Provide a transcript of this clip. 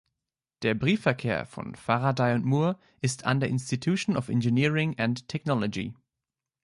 Der Briefverkehr von Faraday und Moore ist an der Institution of Engineering and Technology.